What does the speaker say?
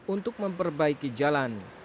untuk memperbaiki jalan